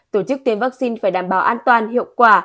tổ chức tiêm vaccine phải đảm bảo an toàn hiệu quả